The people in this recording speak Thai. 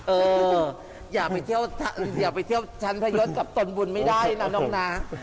เอออย่าไปเที่ยวชั้นพระยศกับต้นบุญไม่ได้นะน้องน้า